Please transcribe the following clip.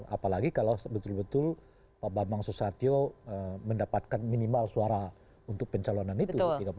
apalagi kalau betul betul pak bambang susatyo mendapatkan minimal suara untuk pencalonan itu